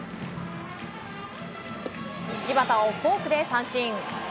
柴田をフォークで三振。